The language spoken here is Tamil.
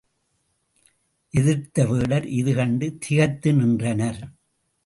எதிர்த்த வேடர், இது கண்டு திகைத்து நின்றனர்.